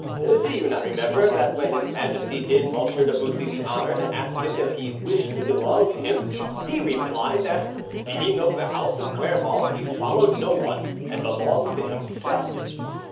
"Do you not remember that when his majesty did M. de Bussy the honor to ask him if he wished to belong to him, he replied that, being of the House of Clermont, he followed no one, and belonged to himself."